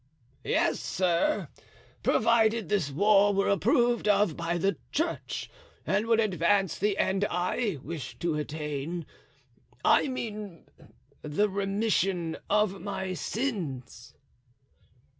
"Yes, sir, provided this war were approved of by the church and would advance the end I wish to attain—I mean, the remission of my sins."